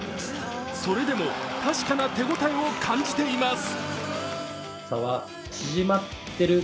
それでも確かな手応えを感じています。